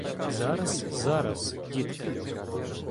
— Зараз, зараз, дітки.